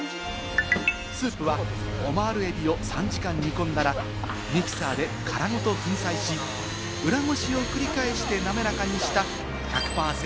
スープはオマール海老を３時間煮込んだら、ミキサーで殻ごと粉砕し、裏ごしを繰り返してなめらかにした１００％